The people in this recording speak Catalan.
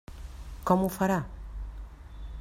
Com ho farà?